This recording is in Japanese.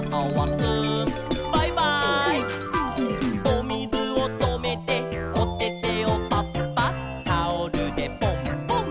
「おみずをとめておててをパッパッ」「タオルでポンポン」